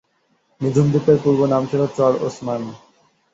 নিঝুম দ্বীপের পূর্ব নাম ছিলো "চর-ওসমান"।